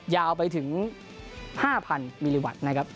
ยาวไปถึง๕๐๐มิลลิวัตต์นะครับ